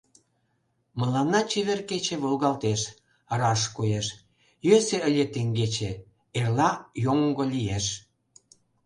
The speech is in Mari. Мыланна чевер кече Волгалтеш, раш коеш; Йӧсӧ ыле теҥгече — Эрла йоҥго лиеш…